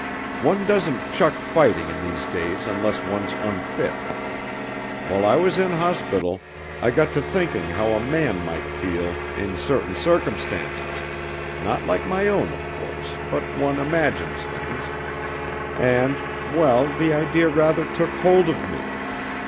One doesn't chuck fighting in these days unless one's unfit. While I was in hospital, I got to thinking how a man might feel in certain circumstances (not like my own, of course; but one imagines things) and well, the idea rather took hold of me.